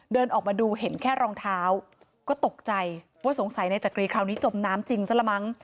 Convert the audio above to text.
เดินออกมาดูเห็นแค่รองเท้าก็ตกใจว่าสงสัยนายจักรีคราวนี้จมน้ำจริงซะละมั้ง